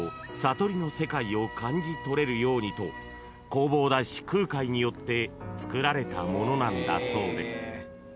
［を感じ取れるようにと弘法大師空海によってつくられたものなんだそうです］